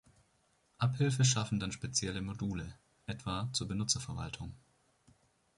Abhilfe schaffen dann spezielle Module, etwa zur Benutzerverwaltung.